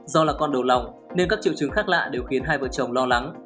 do là con đầu lòng nên các triệu chứng khác lạ đều khiến hai vợ chồng lo lắng